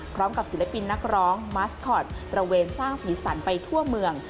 พร้อมกับศิลปินนักร้องมัสคอร์ตตระเวนสร้างผีสันไปทั่วเมือง